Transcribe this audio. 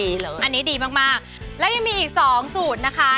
วัดคัดจมูกได้ดีอันนี้ดีมากแล้วยังมีอีก๒สูตรนะคะ